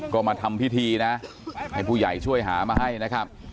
ก็มาทำพิธีนะให้ผู้ใหญ่ช่วยหามาให้นะครับ